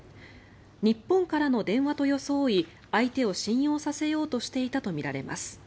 日本からの電話と装い相手を信用させようとしていたとみられます。